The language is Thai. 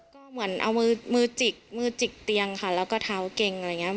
ก็เหมือนเอามือจิกมือจิกเตียงค่ะแล้วก็เท้าเก่งอะไรอย่างนี้